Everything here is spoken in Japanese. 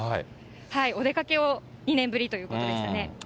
お出かけを２年ぶりということでしたね。